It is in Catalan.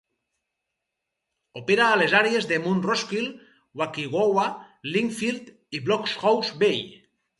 Opera a les àrees de Mount Roskill, Waikowhai, Lynfield i Blockhouse Bay.